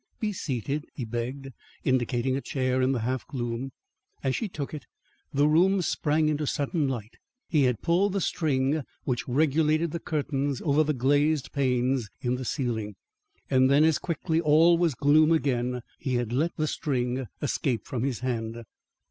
"Be seated," he begged, indicating a chair in the half gloom. As she took it, the room sprang into sudden light. He had pulled the string which regulated the curtains over the glazed panes in the ceiling. Then as quickly all was gloom again; he had let the string escape from his hand.